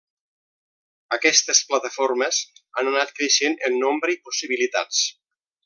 Aquestes plataformes han anat creixent en nombre i possibilitats.